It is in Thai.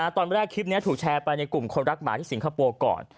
ตอนแรกคลิปนี้ถูกแชร์ไปในกลุ่มคนรักหมาที่สิงคโปร์ก่อน